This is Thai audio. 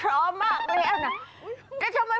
แต่ทำไมเพราะเจ้ามากมากขวา